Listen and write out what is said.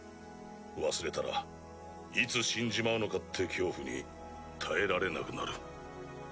忘れたらいつ死んじまうのかって恐怖に耐えられなくなる。